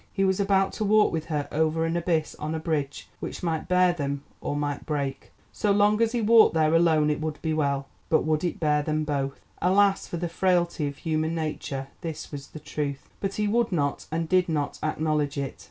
He was about to walk with her over an abyss on a bridge which might bear them, or—might break. So long as he walked there alone it would be well, but would it bear them both? Alas for the frailty of human nature, this was the truth; but he would not and did not acknowledge it.